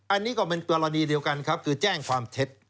อันนี้ก็เป็นกรณีเดียวกันครับคือแจ้งความเท็จ